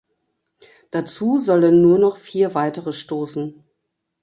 Dazu sollen nur noch vier weitere stoßen.